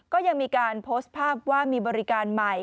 ก็ยังมีการโพสต์ภาพว่ามีบริการใหม่